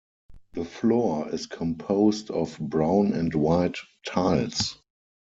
The floor is composed of brown and white tiles.